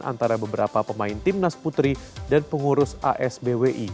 antara beberapa pemain tim nas putri dan pengurus asbwi